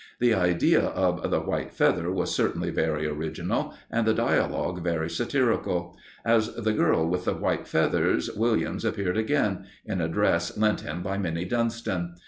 The idea of "The White Feather" was certainly very original, and the dialogue very satirical. As the girl with the white feathers, Williams appeared again in a dress lent him by Minnie Dunston.